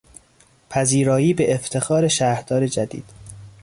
پذیرایی به افتخار شهردار جدید